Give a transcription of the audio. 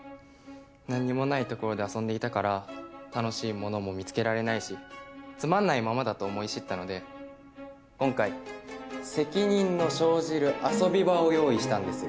何にもないところで遊んでいたから楽しいものも見つけられないしつまんないままだと思い知ったので今回責任の生じる遊び場を用意したんです。